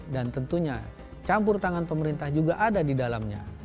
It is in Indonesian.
dan tentunya campur tangan pemerintah juga ada di dalamnya